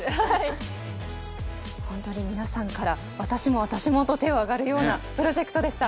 本当に皆さんから私も私もと手が上がるようなプロジェクトでした。